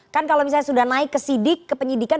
kan kalau misalnya sudah naik ke sidik ke penyidikan